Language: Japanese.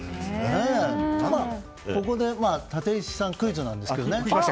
まあ、ここで立石さんクイズなんですけどね。